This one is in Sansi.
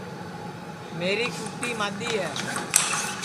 میری کُوتی مادؔی ہے